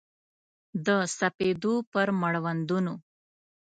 د سپېدو پر مړوندونو